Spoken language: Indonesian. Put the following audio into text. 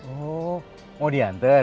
oh mau diantar